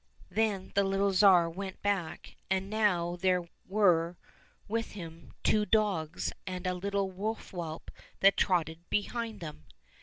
Then the little Tsar went back, and now there were with him two dogs and a little wolf whelp that trotted behind them.